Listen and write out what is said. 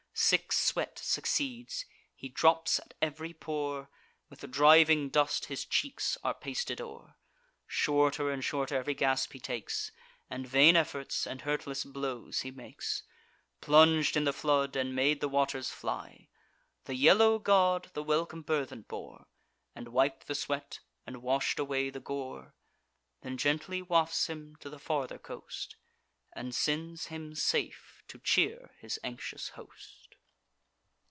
Sick sweat succeeds; he drops at ev'ry pore; With driving dust his cheeks are pasted o'er; Shorter and shorter ev'ry gasp he takes; And vain efforts and hurtless blows he makes. Plung'd in the flood, and made the waters fly. The yellow god the welcome burthen bore, And wip'd the sweat, and wash'd away the gore; Then gently wafts him to the farther coast, And sends him safe to cheer his anxious host.